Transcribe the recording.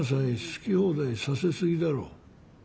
好き放題させ過ぎだろ。